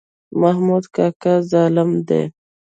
محمود کاکا ظالم دی.